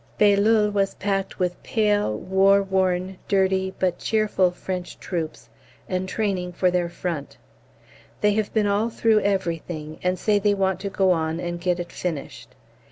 B. was packed with pale, war worn, dirty but cheerful French troops entraining for their Front. They have been all through everything, and say they want to go on and get it finished.